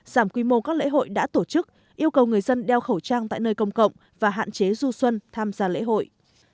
giảm quy mô các lễ hội đã tổ chức yêu cầu người dân đeo khẩu trang tại nơi công cộng và hạn chế du xuân tham gia lễ hội